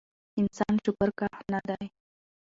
انسان شکرکښ نه دی